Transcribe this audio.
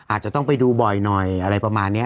อาจจะต้องไปดูบ่อยหน่อยอะไรประมาณนี้